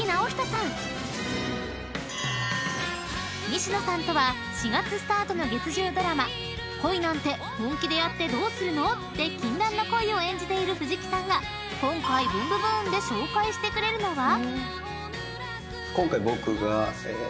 ［西野さんとは４月スタートの月１０ドラマ『恋なんて、本気でやってどうするの？』で禁断の恋を演じている藤木さんが今回『ブンブブーン！』で紹介してくれるのは？］